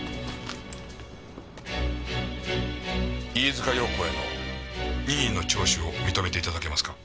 飯塚遥子への任意の聴取を認めて頂けますか？